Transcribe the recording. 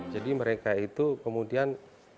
jadi mereka itu kemudian